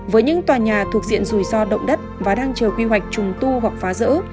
với những tòa nhà thuộc diện rủi ro động đất và đang chờ quy hoạch trùng tu hoặc phá rỡ